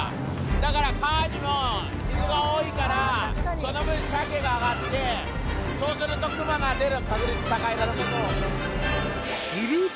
だから川にも水が多いから、その分、シャケが上がって、そうすると、熊が出る確率高いらすると。